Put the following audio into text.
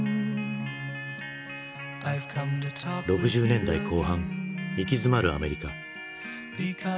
６０年代後半行き詰まるアメリカ。